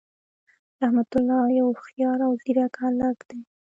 رحمت الله یو هوښیار او ځیرک هللک دی.